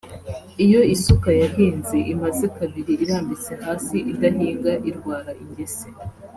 iyo isuka yahinze imaze kabiri irambitse hasi idahinga irwara ingese